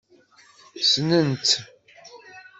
Ssnen-tt?